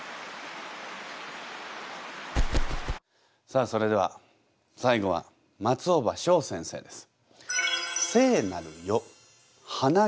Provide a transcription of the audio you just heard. さあそれでは最後は松尾葉翔先生です。